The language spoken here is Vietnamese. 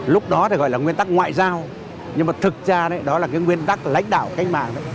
lúc đó thì gọi là nguyên tắc ngoại giao nhưng mà thực ra đó là cái nguyên tắc lãnh đạo cách mạng